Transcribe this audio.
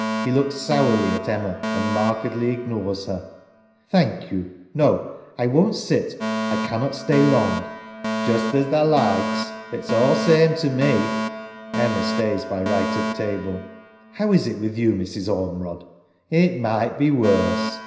He looks sourly at Emma and markedly ignores her. ALLEYNE. Thank you; no, I won't sit, I cannot stay long. SARAH. Just as tha likes. It's all same to me. [Emma stays by right of table. ALLEYNE. How is it with you, Mrs. Ormerod? SARAH. It might be worse.